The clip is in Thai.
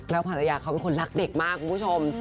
ภรรยาเขาเป็นคนรักเด็กมากคุณผู้ชม